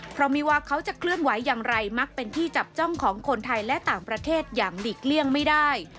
เพราะไม่ว่าเขาจะเคลื่อนไหวอย่างไรมักเป็นที่จับจ้องของคนไทยและต่างประเทศอย่างหลีกเลี่ยงไม่ได้